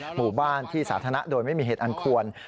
หมู่บ้านที่สาธารณะโดยไม่มีเหตุอันควร